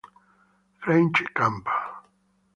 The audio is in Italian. French Camp